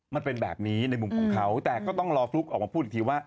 มันเป็นแบบนี้ในมุมของเขาแต่ก็ต้องรอฟลุ๊กออกมาพูดอีกทีว่า